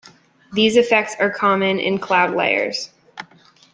These effects are common in cloud layers.